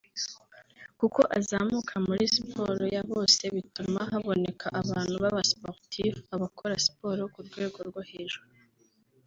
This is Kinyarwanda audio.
uko uzamuka muri siporo ya bose bituma haboneka abantu b’aba sportifs (abakora siporo) ku rwego rwo hejuru